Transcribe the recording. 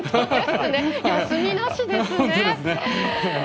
休みなしですね。